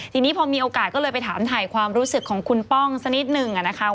ทีนี้พอมีโอกาสก็เลยไปถามถ่ายความรู้สึกของคุณป้องสักนิดนึงนะคะ